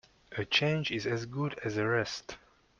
A change is as good as a rest.